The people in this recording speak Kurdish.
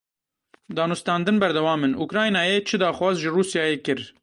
Danûstandin berdewam in; Ukraynayê çi daxwaz ji Rûsyayê kir?